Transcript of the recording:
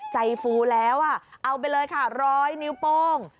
ใจฟูแล้วเอาไปเลยค่ะ๑๐๐นิ้วโปม